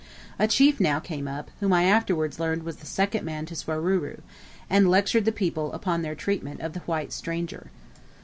A chief now came up, whom I afterwards learned was the second man to Swaruru, and lectured the people upon their treatment of the "White Stranger."